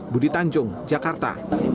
budi tanjung jakarta